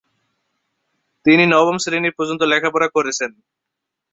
তিনি নবম শ্রেণী পর্যন্ত লেখাপড়া করেছেন।